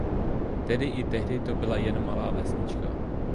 Tedy i tehdy to byla jen malá vesnička.